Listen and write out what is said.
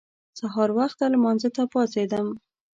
سهار وخته لمانځه ته پاڅېدم.